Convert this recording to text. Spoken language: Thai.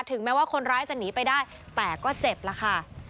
แม้ว่าคนร้ายจะหนีไปได้แต่ก็เจ็บแล้วค่ะ